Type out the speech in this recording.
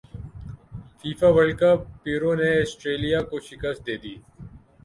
FIFA World Cup Peru نے Australia کو شکست دیدی